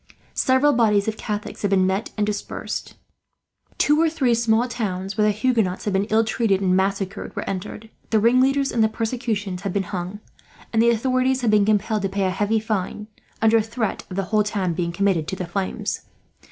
Several bodies of Catholics had been met and dispersed. Two or three small towns, where the Huguenots had been ill treated and massacred, were entered. The ringleaders in the persecutions had been hung, and the authorities had been compelled to pay a heavy fine, under threat of the whole town being committed to the flames.